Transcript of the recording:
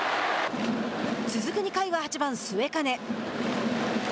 続く２回は８番末包。